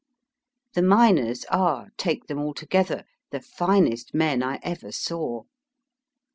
The miners are, take them altogether, the finest men J ever saw.